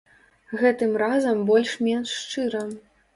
Гэтым разам больш-менш шчыра.